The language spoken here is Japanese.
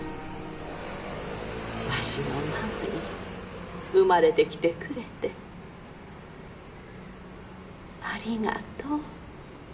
わしの孫に生まれてきてくれてありがとう。